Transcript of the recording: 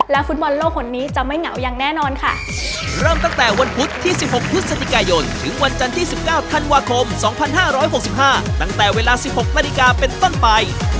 และฟุตบอลโลกผลนี้จะไม่เหงาอย่างแน่นอนค่ะ